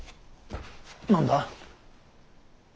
何だ。